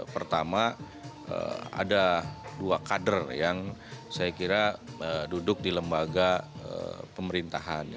pertama ada dua kader yang saya kira duduk di lembaga pemerintahan